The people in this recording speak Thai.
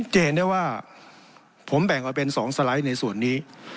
จะเห็นได้ว่าผมแบ่งออกเป็น๒สไลด์ในส่วนนี้